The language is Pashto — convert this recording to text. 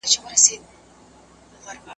فساد کوونکي باید مهار سي.